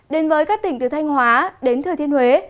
đến với các tỉnh từ thanh hóa đến thừa thiên huế